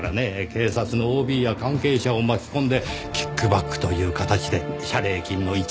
警察のＯＢや関係者を巻き込んでキックバックという形で謝礼金の一部を渡す。